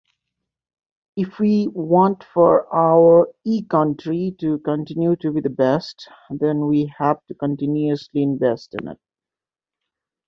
If we want for our e-country to continue to be the best, then we have to continuously invest in it.